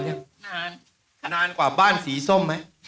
นานกว่าบ้านสีส้มไหม